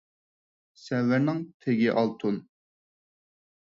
سەۋرنىڭ تېگى ئالتۇن.